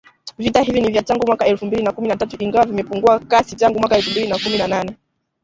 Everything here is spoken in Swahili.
Vita hivi ni vya tangu mwaka elfu mbili na kumi na tatu ingawa vimepungua kasi tangu mwaka elfu mbili na kumi na nane